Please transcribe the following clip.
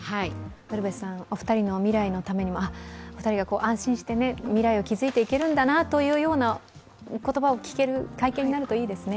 お二人の未来のためにも、２人が安心して未来を築いていけるんだなという言葉を聞ける会見になるといいですね。